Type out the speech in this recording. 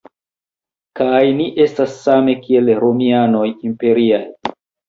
Kaj ni estas same kiel romianoj imperiaj.